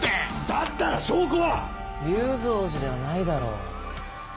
だったら証拠は⁉龍造寺ではないだろ。